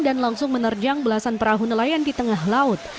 dan langsung menerjang belasan perahu nelayan di tengah laut